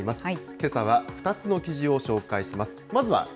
けさは２つの記事を紹介します。